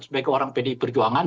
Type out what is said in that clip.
sebagai orang pd perjuangan